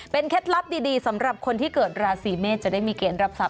เคล็ดลับดีสำหรับคนที่เกิดราศีเมษจะได้มีเกณฑ์รับทรัพ